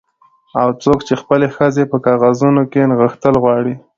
او څوک چې خپلې ښځې په کاغذونو کې نغښتل غواړي